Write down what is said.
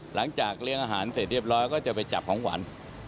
หลังจากเลี้ยงอาหารเสร็จเรียบร้อยก็จะไปจับของขวัญ